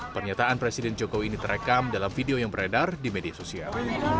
pernyataan presiden jokowi ini terekam dalam video yang beredar di media sosial